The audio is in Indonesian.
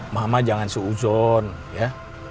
mama jangan seuzon ya